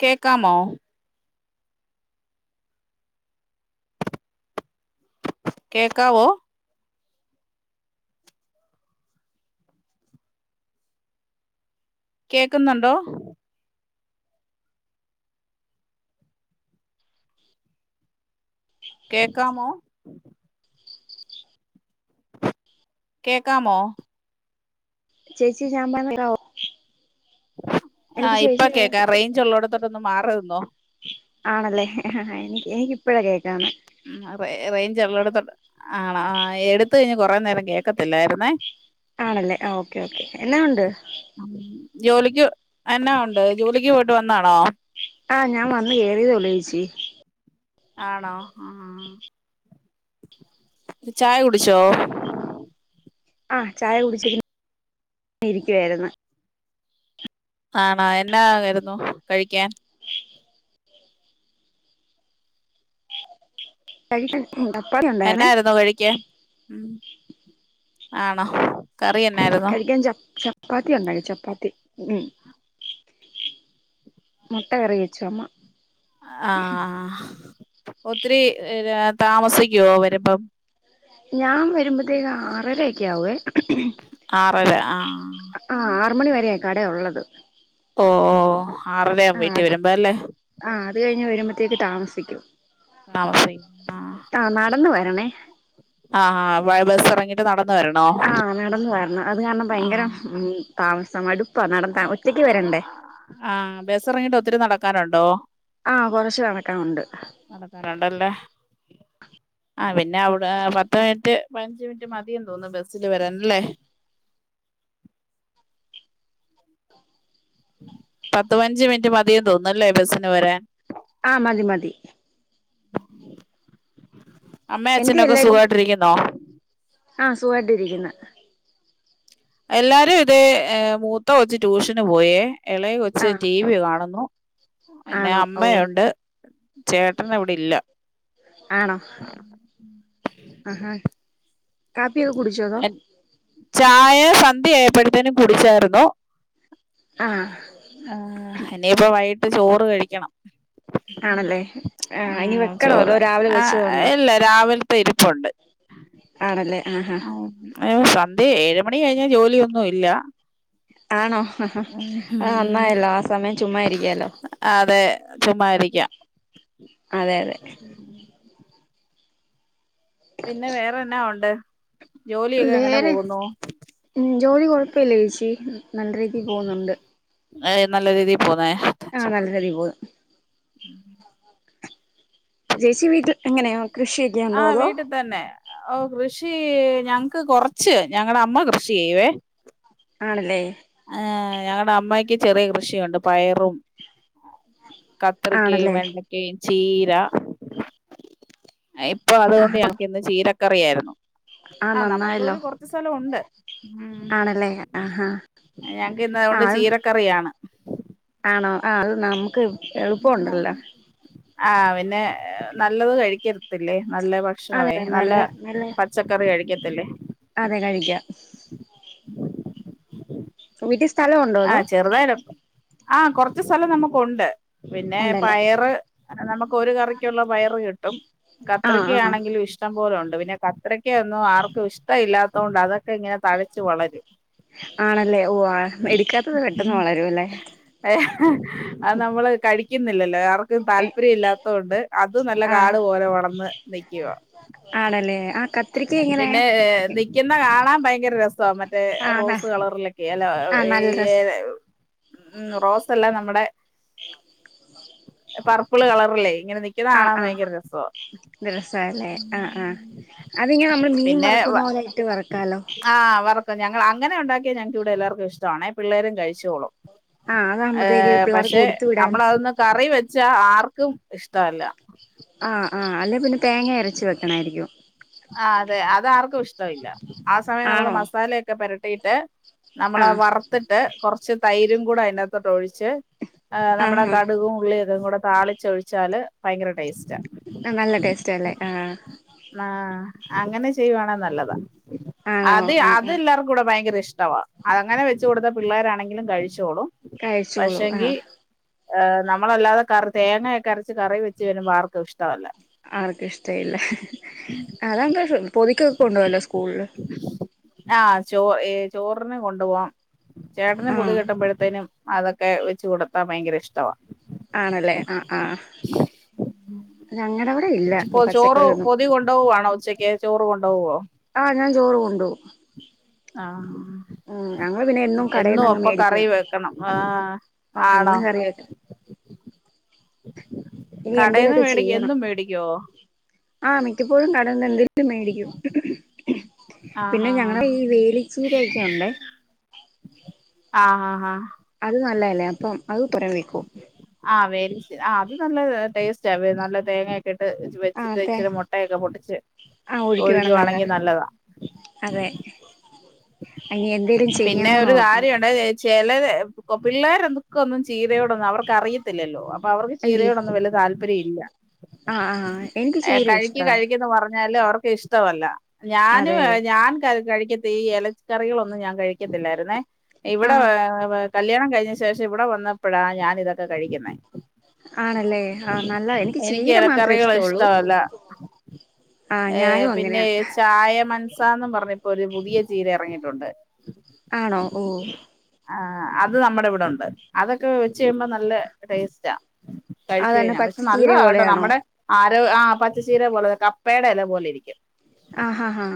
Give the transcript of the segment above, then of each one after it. കേക്കാമോ? കേക്കാവോ? കേക്കുന്നുണ്ടോ? കേക്കാമോ? കേക്കാമോ? ചേച്ചി [unintelligible] എനിക്ക് ആഹ് ഇപ്പൊ ചേച്ചി പറ കേക്കാ റേഞ്ച് ഉള്ളിടത്തോട്ടൊന്ന് മാറിനിന്നോ. ആണല്ലേ എനിക്ക് എനിക്കിപ്പഴ കേക്ക ആ റെയിഞ്ച് ഉള്ളത്തോട്ട് - ആണോ എടുത്ത് കഴിഞ്ഞ് കൊറെ നേരം കേൾക്കത്തില്ലായിരുന്നേ ആണല്ലേ ആ ഓക്കെ ഓക്കെ എന്നാ ഉണ്ട് എന്നന്ന ഉണ്ട് ജോലിക്ക് പോ- വന്നാണോ ആ ഞാൻ വന്ന് കേയറിയതെയുള്ളു ചേച്ചി ആണോ ആ ചായ കുടിച്ചോ ആ ചായ കുടിച്ച്‌യിങ്ങനെ ഇരിക്കുവായിരുന്നു ആണോ എന്നായിരുന്നു കഴിക്കാൻ കഴിക്ക - എന്നായിരുന്നു കഴിക്കാൻ ആണോ കറി എന്നായിരുന്നു കഴിക്കാൻ ച ചപ്പാത്തി ഉണ്ടാക്കി ചപ്പാത്തി മ് മുട്ട കറി വെച്ചു അമ്മ ആ ഒത്തിരി താമസിക്കുവോ വരുമ്പം ഞാൻ വരുമ്പോത്തേക്കിന് ആറര ഒക്കെ ആവുവേ ആറര ആഹ ആ ആറ് മണി വരെയ കട ഉള്ളത് ഓ ആറരയാ ആ വീട്ടിൽ വരുമ്പോ അല്ലേ ആ അത് കഴിഞ്ഞ് വരുമ്പഴത്തേക്ക് താമസിക്കും താമസിക്കും ആഹ് നടന്ന് വര ണെ ആഹ് ബസ് ഇറങ്ങിയിട്ട് നട ആഹ നടന്ന വണം അത് കാരണം ഭയങ്കരം ഉ താമസ മടു ആഹ ബസ് ഇറങ്ങിട്ട് ഒത്തി ഒത്തിരി നടക്കാനുണ്ടോ ആഹ കൊറച്ചു നടക്കാനുണ്ട് ആഹ പിന്നെ അവിടെ പത്ത് മിനിറ്റ് പതിനഞ്ചു മിനിറ്റ് മതി തോന്നുന്നു ബസില് വരാനല്ലേ പത്ത് പതിനഞ്ചു മിനിറ്റ് മതി തോന്നല്ലേ ബസിന് വരാൻ ആഹ മതി മതി [inaudible] എന്തിയേ അച്ഛനൊക്കെ എല്ലാരും സുഖമായിട്ടിരിക്കുന്നോ ആഹ സുഖട്ടിരിക്കുന്ന എല്ലാരും ഇതേ മൂത്ത കൊച്ചു ട്യൂഷന് പോയേ ഇള കൊച്ച് ആഹ് ടി വി കാണുന്നു പിന്നെ ആണോ ഓ അമ്മയുണ്ട് ചേട്ടന് ഇവിടെ ഇല്ല ആണോ കാപ്പി ഒക്കെ കുടിച്ചോ? അതോ ചായ സന്ധ്യ ആയപ്പോഴത്തേനും കുടിച്ചായിരുന്നു ആഹ് ആഹ ഇനിപ്പ വൈട്കി- ചോറ് കഴിക്കണം ആണല്ലേ ആ ഇനി ഉം വെക്കണോ അതോ രാവിലെ വെച്ചത് കൊണ്ടോ പെരുപ്പുണ്ട് ആഹാ ആഹ സ [unintelligible] അതെ ഏഴ് മണി കഴിഞ്ഞാൽ ജോലിയൊന്നും ഇല്ല ആണോ ആ അത് ഉം നന്നായല്ലോ ആ സമയം ചുമ്മാ ഇരിക്കല്ലോ ചുമ്മാരിക്കാം അതെ ഉം [unintelligible] പിന്നെ വേറെന്നാ ഉണ്ട് ജോലിയൊക്കെ എങ്ങനെ വേറെ പോകുന്നു ഉം ജോലി കുഴപ്പില്ല ചേച്ചി നല്ല രീതി പോകുന്നുണ്ട് ഏ നല്ല രീതിയിൽ പോന്ന [unintelligible] ഉം ചേച്ചി വീട്ടിൽ എങ്ങനെയാ കൃഷിയൊക്കെയ ആ ഉണ്ടോ അതോ വീട്ടിൽ തന്നെ. ഓ കൃഷി ഞങ്ങക്ക് കൊറച്ച് ഞങ്ങള അമ്മ കൃഷി ചെയ്യുവേ ആണല്ലേ ആഏർ ഞങ്ങളുടെ അമ്മക്ക് ചെറിയ കൃഷിയുണ്ട് പയറും കത്രിരിക്ക ആണല്ലേ വെണ്ടക്ക ചീര ഇപ്പൊ അതുകൊണ്ട് ഞങ്ങക്ക് ഇന്ന് ചീര കറിയായിരുന്നു ആഹ നന്നായല്ലോ ഉണ്ട് ഉം ആണല്ലേ ആഹ ഞങ്ങക്ക് ഇന്ന അതുകൊണ്ട് ചീരക്കറിയാണ് ആ ആണോ ആ അത് നമുക്ക് എളുപ്പുണ്ടല്ലോ ആ പിന്നെ നല്ലത് കഴിക്കരുത്തില്ലേ നല്ല ഭക്ഷണമേ നല്ല പച്ചക്കറി കഴിക്ക തല്ലേ അതെ കഴിക്കാം ട്ട ആഹ ചെറുതായാലപ്പ ആഹ കൊറച്ച് സ്ഥലം നമുക്ക്ുണ്ട് പിന്നെ ഉണ്ടല്ലേ പയറ് നമുക്ക് ഒരു കറിക്കുള്ള വയറ് കിട്ടും ആഹ് കത്രയ്ക്ക ആഹ് ആണെങ്കിലും ഇഷ്ടം പോലും ഉണ്ട് പിന്നെ കത്രക്ക ഒന്നും ആർക്കും ഇഷ്ട ഇല്ലാത്ത കൊൊണ്ട് അതൊക്കെ ഇങ്ങനെ തഴച്ച്ു വളരും ആണല്ലേ ഓ ആ എടുക്കാത്തത് പെട്ടെന്ന് വളരും അല്ലേ അ അ നമ്മള് ക ക്കുന്നില്ലല്ലേ താല്പര്യം ഇല്ലാത്ത കൊണ്ട് അത് നല്ല ആഹ് കാട് പോലെ വളന്ന് നിക്കുവാ ആണല്ലേ ആഹ് കത്രിക്ക എങ്ങനെ പിന്നെ നിക്കുന്ന കാണാൻ ഭയങ്കര രസം മറ്റേ ആഹ് റോസ് കളറിലൊക്കെ അല്ലോ ആഹ് ഈ നല്ല രസ ഉ റോസ് എല്ലാം നമ്മുടെ പർപ്പിൾ കളറല്ലേ അ അ രസല്ലേ അ അ അതിങ്ങനെ നമ്മള് മീൻ പിന്നെ വറക്കുന്ന പോലൊയിട്ട് വറക്കാലോ ങ്ങ അങ്ങനെണ്ടാക്കിയ ഞങ്ങക്ക് ഇവിടെ എല്ലാവക്കും ഇഷ്ടാണെ പിള്ളേരും കഴിച്ചോളും ആഹ് അതാകുമ്പത്തേക്ക് ഏർ പിള്ളേർക്ക് പക്ഷെ കൊടുത്തു വിടാൻ നമ്മൾതൊന്ന് കറി വ പച്ചാ ആർക്കും ഇഷ്ടമല്ല അ അ അല്ലെ പിന്നെ തേങ്ങ അരച്ച വെക്കണായിരിക്കും ആ അതെ അത ആർക്കും ഇഷ്ടമില്ല ആ സമയം നമ്മള് ആണോ മസാലയൊക്കെ പര ട്ടി ട്ട നമ്മള ആഹ് വറത്തിട്ട് കുറച്ച് തൈരും കൂടെ അതിനകത്തോട്ട് ഒഴിച്ച് ആ നമ്മുടെ ആഹാ കടുകും ഉള്ളി അത കൂടെ താളിച്ച ഒഴിച്ചാല് ഭയങ്കര ടേസ്റ്റ നല്ല ടേസ്റ്റ് അല്ലേ ആഹ ആഹ അങ്ങനെ ചെയ്യുവാണ നല്ലതാ ആണോ അത് ആഹ് അത് ആഹ് എല്ലാരും കൂടെ ഭയങ്കര ഇഷ്ടം ഇഷ്ടവാ അങ്ങനെ വെച്ച് കൊടുത്ത പിള്ളോരണെങ്കിലും കഴിച്ചോളും കഴിച്ചോളൂ ആഹ അ നമ്മളല്ലാതെ കറി തേങ്ങയൊക്കെ അരച്ച് കറി വെച്ചവരുമ്പോ ആർക്കും ഇഷ്ടമല്ല ആർക്ക ഇഷ്ട ഇല്ല അതാന്തപ്പ പോ പൊതിക്കൊക്കെ കൊണ്ടോവാല്ലോ സ്കൂളില് ചോറ് ഏ ചോറിനെ കൊണ്ടുപോവാം ചേട്ടന് പുതു ആഹ് കിട്ടുമ്പോഴത്തേനും അതൊക്കെ വെച്ച് കൊടുത്താൻ ഭയങ്കര ഇഷ്ടമാണ് ആണല്ലേ അ അ ഞങ്ങളുടെ അവിടെ ഇല്ല ഇപ്പോ ചോറ് പച്ചക്കറി ഒന്നും പൊതി കൊണ്ടുപോവാണോ ഉച്ചക്ക് ചോറ് കൊണ്ടൊവോ ഞാൻ ചോറ് കൊണ്ടോവും ആഹ ഞങ്ങള് പിന്നെ എന്നും കടേന്നങ്ങ് അപ്പൊ മേടിക്കുവാ കറി വെക്കണം ആഹ ആഹ് ആണോ എന്നും കറി വെക്കും ഇനി കടയിൽന്ന് മേടിക്ക എന്നും മേടിക്കോ ആ മിക്കപ്പോഴും കടന്നണ്ട് മേടിക്കും ആഹ് പിന്നെ ആഹ് ഞങ്ങള ഈ വേലിച്ചീരയിക്കോണ്ടേ അ ആഹ ആഹ അത് നല്ലല്ലേ അപ്പം അത് പുറ വേക്കും ആഹ വേരി ആ അത് നല്ല ടേസ്റ്റ് ആ നല്ല തേങ്ങക്കെ... ട്ടിട്ട് ആ വെച്ചിട്ട് അതെ ഇച്ചിരി മുട്ടയൊക്കെ പൊട്ടിച്ച് ആ ഒഴുക്കി വേണം നല്ല ഒഴിക്കുവാണെങ്കി നല്ലതാ അയിനി എന്തെലും ചെയ്യണോന്ന് ഓർക്കുന്നു ചെലര് പിള്ളേർ [unintelligible] ചീരയോടൊന്നും അവർക്ക് അറിയത്തില്ലോ അപ്പൊ അവർക്ക് ഇല്ല ചീരയോടൊന്നും വല്യ താൽ പര്യ ഇല്ല ആ ആ എനിക്ക് ചീര ഇഷ്ടവാ ഞ്ഞാലും അവർക്ക് ഇഷ്ടമല്ല ഞാന് അതെ ഞാൻ കയ് കഴി തി യ ല് കറികളൊന്നും ഞാൻ കഴിക്കത്തില്ലായിരുന്നേ ആ ഇവിടെ വ വ കല്യാണം കഴിഞ്ഞ ശേഷം ഇവിടെ വന്നപ്പഴാ ഞാൻ ഇതൊക്കെ കഴിക്കുന്നേ ആണല്ലേ ആ നല്ലാ എനിക്ക് ചീര മാത്രേ ഇഷ്ടള്ളു ഏ പിന്നെ ചായ മ സാന്നും പറഞ്ഞ് ഇപ്പൊ ഒരു പുതിയ ചീര ഇറങ്ങി ട്ടുണ്ട് ആണോ ഓ ആ അത് നമ്മുടെ ഇവിടെണ്ട് അതൊക്കെ വെച്ച് കഴിയുമ്പോ നല്ല ടേസ്റ്റാ കഴിച് അതന്നെ കഴിഞ്ഞാ പച്ച പക്ഷെ ചീര നല്ലതാ കേട്ടോ പോലെയാണോ നമ്മുടെ ആ ആഹ് പച്ച ചീര പോലെ ക പ്പേടെല പോലെ ഇരിക്കും ആ ഹാ ഹാ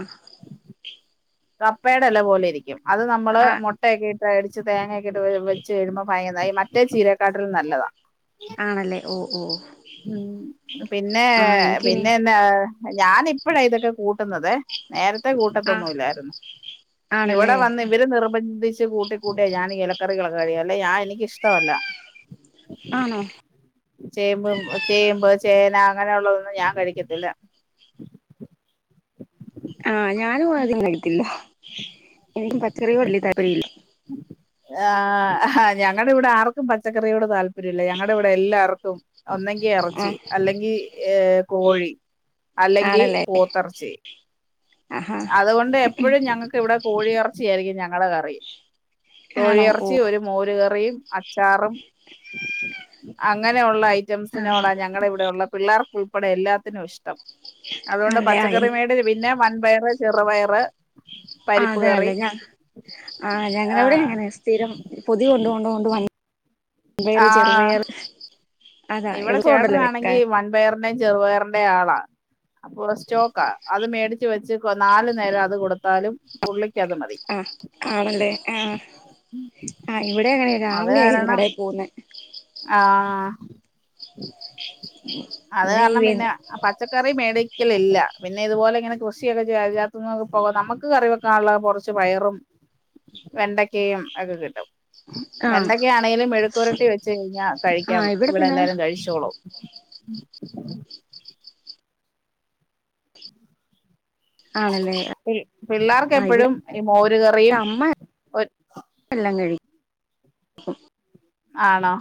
[inaudible] കപ്പയുടെ ല പോലെ ഇരിക്കും അത് നമ്മള് ആ മുട്ടയൊക്കെ ഇ വേടിച്ച് തേങ്ങയൊക്കെട്ട് വെച്ചു കഴുമ്പോൾ [unintelligible] താ യീ മറ്റേ ചീരേക്കാട്ടിലും നല്ലതാ ആണല്ലേ ഓ ഓ ഉം പിന്നെ ആ എനിക്കിനി പിന്നെ എന്നാ ഞാനിപ്പഴാ ഇതൊക്കെ കൂട്ടുന്നതേ നേര ത്തെ ആ കൂട്ടത്തൊന്നും ഇല്ലായി ഇവിടെ ആണല്ലേ വന്ന് ഇവര് നിർബന്ധിച്ച് കൂട്ടി കൂട്ടിയ ഞാൻ എലക്കറികളൊക്കെ കഴിയ അല്ലെങ്കി ഞാൻ എനിക്കിഷ്ടവല്ല ആണോ ചേമ്പ് ചേമ്പ് ചേന അങ്ങനെയുള്ളതൊന്നും ഞാൻ കഴിക്കത്തില്ല ആഹ് ഞാനും ആദ്യം കഴിക്കില്ല എനിക്കും പച്ചറികളോട് വല്യ താൽപര്യയില്ല ആ്് ഞങ്ങളടെ ഇവിടെ ആർക്കും പച്ചക്കറിയോട് താല്പര്യല്ല ഞങ്ങളുടെ ഇവിടെ എല്ലാർക്കും ഒന്നെങ്കി ആ ഇറച്ചി അല്ലെങ്കിൽ ഏർ കോഴി അല്ലെങ്കി ആണല്ലേ പൂത്തറച്ചി ആഹാ അതുകൊണ്ട് എപ്പോഴും ഞങ്ങക്ക് ഇവിടെ കോഴിയിറച്ചിയ ആായിരിക്കും ഞങ്ങ കറും ആണോ ഓ തൊഴിയിറച്ചി ഒരു മോരുകറിയും ചാറും അങ്ങനെയുള്ളഐ ആഹാ റ്റംസിനോട ഞങ്ങളുടെവിടെുള്ള പിള്ളേർക്ക് ഉൾപ്പെടെ എല്ലാത്തിനും ഇഷ്ടം അതുകൊണ്ട് ആണല്ലേ ആ പച്ചക്കറി എൻ- മേടി പിന്നെ വ വയറ ചെറ വയറ് അതെ അല്ലെ ഞാ ആ് ഞങ്ങള ആ എവിടെ എങ്ങനെ സ്ഥിരം പൊതിയ കൊണ്ട് കൊണ്ട് കൊണ്ട് വന്ന പേര് ആ ചെറുപയർ അതാ ഇവിടെ എളുപ്പമുണ്ടല്ലോ വെക്കാൻ ചേട്ടനാണെങ്കിൽ വൻപയർ യും ചെറുപയറിന്റെ ആളാ അപ്പൊ സ്റ്റോക്കാ അത് മേടിിച്ചച്ച് വെച്ച് നാലു നേരം അത് കൊടുത്താലും പള്ളക്ക് അത് മതി ആ ആണല്ലേ ആ ആ ഇവിടെ അങ്ങനെ രാവിലെ ആയിും കടയിൽ പോകുന്ന ആഹ അത് ഈ കാരണം വെ പിന്നെ പച്ചക്കറി മേടക്ക് ഒലല്ല പിന്നെ ഇതുപോലെ ഇങ്ങനെ കൃഷിയൊക്കെകത്തന്നൊക്ക പോകാ നമുക്ക് കറി വെക്കാനുള്ള കുറച്ച്ു പയറും വെണ്ടക്കയും ഒക്കെ കിട്ടും ആ വെണ്ടക്കെ ആണെങ്കിലും മെഴുക്കുരട്ടി വെച്ച കഴിഞ്ഞാൽ ആ കഴിക്കാം ഇവിടെ പിന്നെ എല്ലാരും കഴിച്ചോളൂ ഉ ആണല്ലേ ആ ഇവിടെ പിള്ളേർക്ക്െപ്പോഴും ഈ മോര കറിയും ആ ആണോ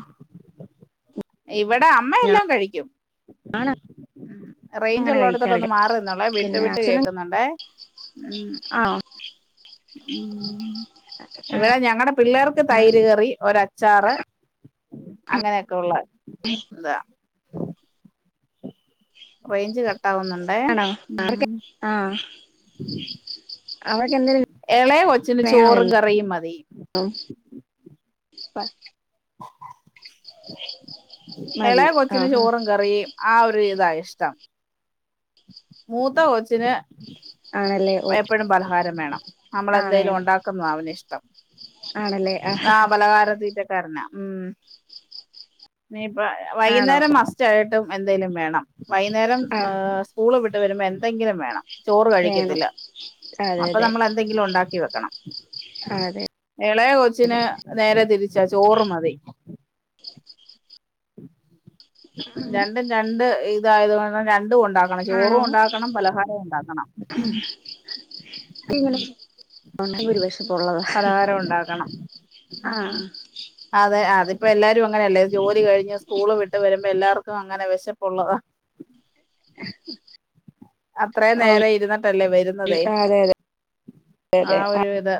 ഇവിടെ അമ്മ ഞാൻ എല്ലാം കഴിക്കും റേഞ്ച് അങ്ങനെ ഉള്ളിടത്തോട്ട്ൊന്ന് കഴിക്കാറില്ല മാറിന്നള്ളെ വിട്ട് പിന്നെ വിട്ട് അച്ഛനും കേക്കുന്നുണ്ട ഉം ആ ഉ ഇവിടെ ഞങ്ങടെ പിള്ളേർക്ക് തൈര് കറി ഒരച്ചാറ് അങ്ങനെയൊക്കെ ഉള്ള അതാ റേഞ്ച് ക ആണോ ആ ആഹ അവടെ ഇളയെ കൊച്ചിന് ചോറും കറിയും മതി ഇന്ന് മതി ഇളയെ കൊച്ചിന് ആഹാ ചോറും കറിയും ആ ഒരു ഇതായി [unintelligible] മൂത്ത കൊച്ചന് ആണല്ലേ ഓ എപ്പോഴും പലഹാരം വേണം ആ നമ്മളെന്തെലും വേണം ഉണ്ടാക്കുന്ന അവന് ഇഷ്ടം ആണല്ലേ ആ [inaudible] ആഹ പലഹാര [inaudible] ആണോ വൈകുന്നേരം മസ്റ്റ് ആയിട്ടും എന്തായലും വേണം ആഹ് വൈകുന്നരംസ്കൂള് വി വരുമ്പോ എന്തെങ്കിലും വേണം ചോറ് വേണം കഴിക്കത്തില്ല അതെ അപ്പൊ അതെ നമ്മൾ എന്തെങ്കിലും ഉണ്ടാക്കി വെക്കണം അതെ ഇളയ അതെ കൊച്ചിന് നേരെ തിരിച്ചാ ചോറു മതി ഉം രണ്ടും രണ്ട് [unintelligible] ചോറും ആണോ ഒണ്ടാക്കണം പലഹാരോം ഇങ്ങനെ ഒരുവശപ്പുള്ളതാ ഒണ്ടാക്കണം ആഹ് അപ്പ എല്ലാരും അങ്ങനെയല്ലേ ജോലി [unintelligible] എല്ലാർക്കും അങ്ങനെ വിശപ്പുള്ളതാ [inaudible] അത്രയും നേര അതെ ഇരുന്നിട്ടല്ലേ വരുന്നതേ അതെ ആ ഒരു ഇത്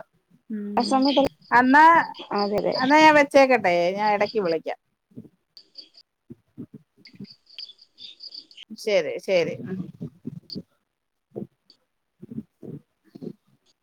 ഉ ആ സമയത്ത് എന്നാ അതെ അതെ ഞാൻ വെച്ചേക്കട്ടെ ഞാൻ ഇടക്ക് വിളിക്കാം [inaudible] ശരി ശരി [inaudible]